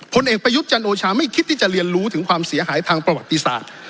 ผลเอกประยุทธ์จันโอชาไม่คิดที่จะเรียนรู้ถึงความเสียหายทางประวัติศาสตร์